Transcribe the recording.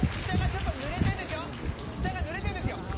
下がちょっと濡れてんでしょ下が濡れてんですよ